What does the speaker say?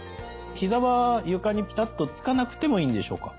ひざは床にピタッとつかなくてもいいんでしょうか？